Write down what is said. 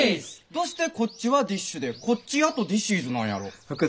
どうしてこっちはディッシュでこっちやとディシィーズなんやろ？